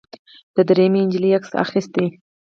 درېیمې نجلۍ عکس اخیست.